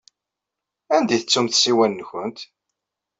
Anda i tettumt ssiwan-nkent?